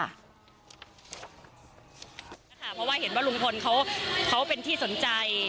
เพราะว่าเห็นว่าลุงพลเขาเป็นที่สนใจ